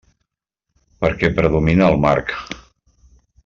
Perquè predomina el marc.